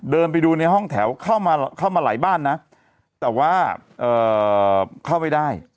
เดินไปดูในห้องแถวเข้ามาไหลบ้านนะแต่ว่าเข้าไปได้